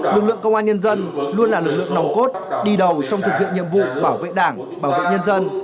lực lượng công an nhân dân luôn là lực lượng nòng cốt đi đầu trong thực hiện nhiệm vụ bảo vệ đảng bảo vệ nhân dân